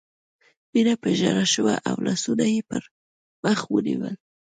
مينه په ژړا شوه او لاسونه یې پر مخ ونیول